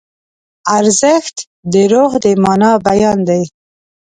ارزښت د روح د مانا بیان دی.